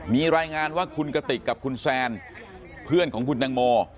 มีรายงานว่าคุณกติกกับคุณแซนเพื่อนของคุณตังโม